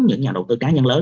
những nhà đầu tư cá nhân lớn